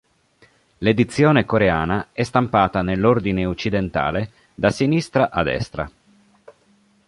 L'edizione coreana è stampata nell'ordine occidentale da sinistra a destra.